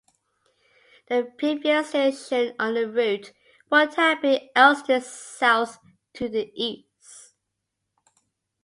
The previous station on the route would have been Elstree South to the east.